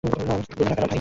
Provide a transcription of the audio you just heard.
আমাকে দিলে না কেন?